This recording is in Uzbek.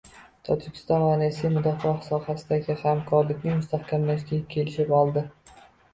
Tojikiston va Rossiya mudofaa sohasidagi hamkorlikni mustahkamlashga kelishib oldi